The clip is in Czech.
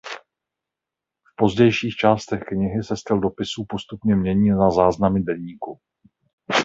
V pozdějších částech knihy se styl z dopisů postupně mění na záznamy deníku.